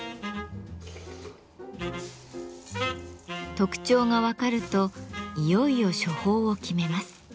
特徴が分かるといよいよ処方を決めます。